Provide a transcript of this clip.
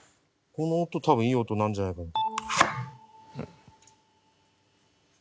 この音多分いい音鳴るんじゃないかな。